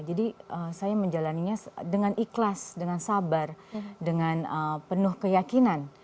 jadi saya menjalannya dengan ikhlas dengan sabar dengan penuh keyakinan